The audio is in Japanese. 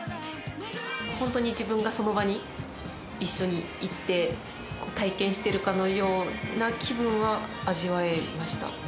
本当に自分がその場に一緒に体験してるかのような気分は味わえました。